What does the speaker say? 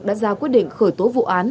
đã ra quyết định khởi tố vụ án